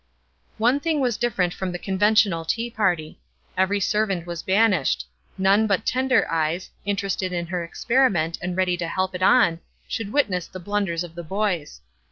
One thing was different from the conventional tea party. Every servant was banished; none but tender eyes, interested in her experiment, and ready to help it on, should witness the blunders of the boys.